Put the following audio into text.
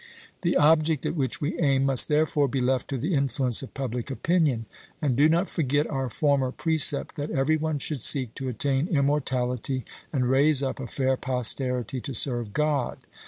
The object at which we aim must therefore be left to the influence of public opinion. And do not forget our former precept, that every one should seek to attain immortality and raise up a fair posterity to serve God.